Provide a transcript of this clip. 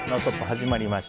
始まりました。